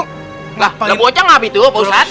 lah itu bocah ngapain tuh pausat